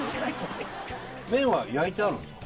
麺は焼いてあるんすか？